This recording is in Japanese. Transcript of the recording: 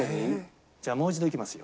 じゃあもう一度いきますよ。